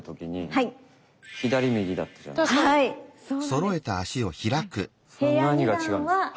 それは何が違うんですか？